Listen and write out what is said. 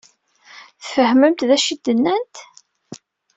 Tfehmemt d acu i d-nnant?